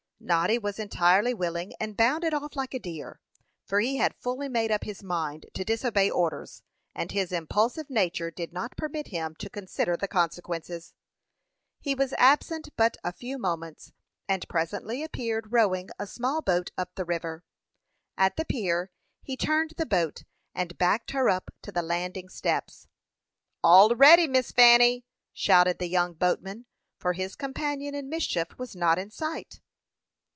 Noddy was entirely willing, and bounded off like a deer, for he had fully made up his mind to disobey orders, and his impulsive nature did not permit him to consider the consequences. He was absent but a few moments, and presently appeared rowing a small boat up the river. At the pier he turned the boat, and backed her up to the landing steps. "All ready, Miss Fanny!" shouted the young boatman, for his companion in mischief was not in sight.